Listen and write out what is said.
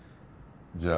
じゃあ